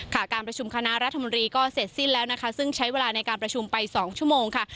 การประชุมคณะรัฐมนตรีก็เสร็จสิ้นแล้วนะคะซึ่งใช้เวลาในการประชุมไป๒ชั่วโมงค่ะ